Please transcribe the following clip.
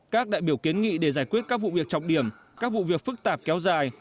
các đại biểu kiến nghị để giải quyết các vụ việc trọng điểm các vụ việc phức tạp kéo dài